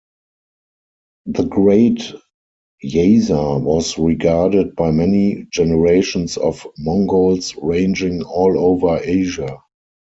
The Great Yasa was regarded by many generations of Mongols ranging all over Asia.